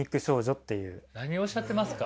何をおっしゃってますか？